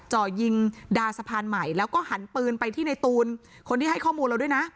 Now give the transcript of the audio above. จ่อยิงดาสะพานใหม่แล้วก็หันปืนไปที่ในตูนคนที่ให้ข้อมูลเราด้วยนะ